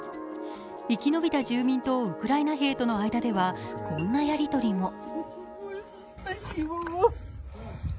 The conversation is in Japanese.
生き延びた住民とウクライナ兵との間では、こんなやり取りも。